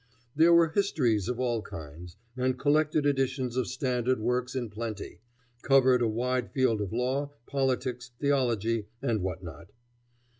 There were histories of all kinds, and collected editions of standard works in plenty, covering a wide field of law, politics, theology, and what not.